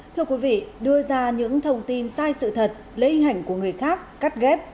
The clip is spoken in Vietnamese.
thưa quý vị đưa ra những thông tin sai sự thật lấy hành của người khác cắt ghép